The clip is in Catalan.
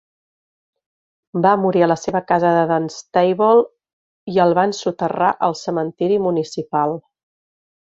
Va morir a la seva casa de Dunstable, i el van soterrar al cementiri municipal.